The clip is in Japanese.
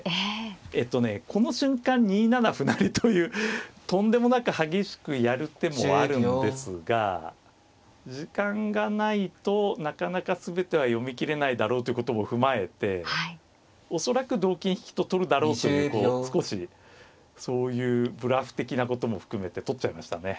えとねこの瞬間２七歩成というとんでもなく激しくやる手もあるんですが時間がないとなかなか全ては読みきれないだろうということを踏まえて恐らく同金引と取るだろうというこう少しそういうブラフ的なことも含めて取っちゃいましたね。